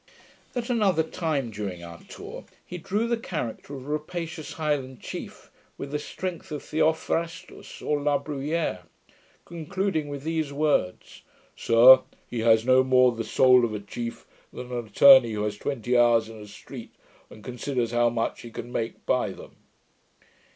'] At another time, during our tour, he drew the character of a rapacious Highland chief with the strength of Theophrastus or la Bruyere; concluding with these words: 'Sir, he has no more the soul of a chief, than an attorney who has twenty houses in a street, and considers how much he can make by them.'